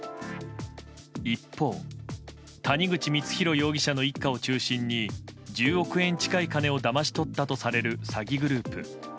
一方、谷口光弘容疑者の一家を中心に１０億円近い金をだまし取ったとされる詐欺グループ。